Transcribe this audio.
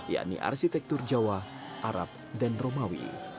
yakni arsitektur jawa arab dan romawi